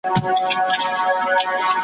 د زمري د مشکلاتو سلاکار وو `